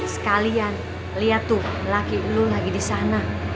sekalian liat tuh laki lo lagi disana